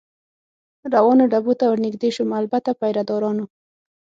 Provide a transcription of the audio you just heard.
روانو ډبو ته ور نږدې شوم، البته که پیره دارانو.